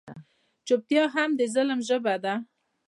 چوپتیا هم د ظلم ژبه ده.